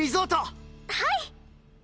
はい！